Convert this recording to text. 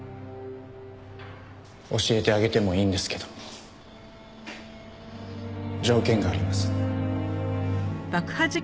教えてあげてもいいんですけど条件があります。